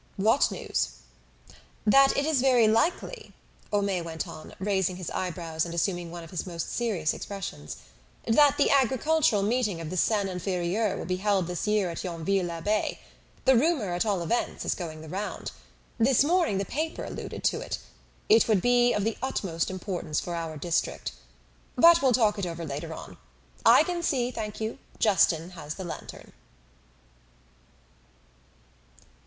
"What news?" "That it is very likely," Homais went on, raising his eyebrows and assuming one of his most serious expression, "that the agricultural meeting of the Seine Inferieure will be held this year at Yonville l'Abbaye. The rumour, at all events, is going the round. This morning the paper alluded to it. It would be of the utmost importance for our district. But we'll talk it over later on. I can see, thank you; Justin has the lantern."